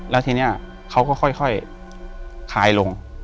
แล้วทีนี้เขาก็ค่อยคลายลง